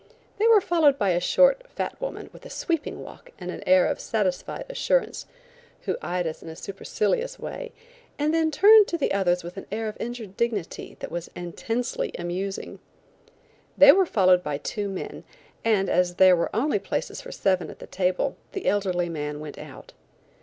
They were followed by a short, fat woman with a sweeping walk and air of satisfied assurance, who eyed us in a supercilious way and then turned to the others with an air of injured dignity that was intensely amusing. They were followed by two men and as there were only places for seven at the table the elderly man went out.